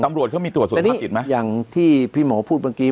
ตำรวจเขามีตรวจสุขภาพจิตไหมอย่างที่พี่หมอพูดเมื่อกี้